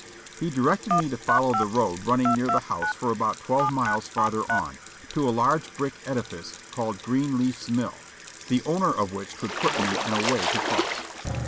He directed me to follow the road running near the house for about twelve miles farther on, to a large brick edifice called Greenleaf's Mill, the owner of which could put me in a way to cross.